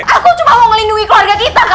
aku cuma mau ngelindungi keluarga kita kak